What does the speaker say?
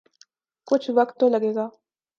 کچھ وقت تو لگے گا۔